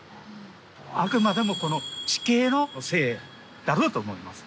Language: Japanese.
あくまでもこの地形のせいだろうと思います。